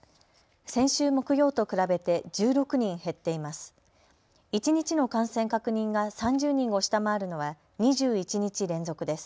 先週木曜と比べて１６人減っています。